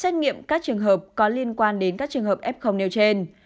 những các trường hợp có liên quan đến các trường hợp f nêu trên